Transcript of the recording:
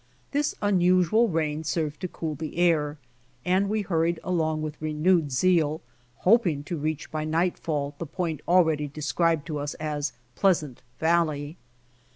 This unusual rain served to cool the air, and we hurried along with renewed zeal, hoping to reach by nightfall, the point already described to ua as Pleasant valley.